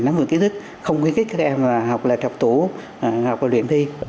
nắm vừa kỹ thức không khuyến khích các em là học lệch học tủ học và luyện thi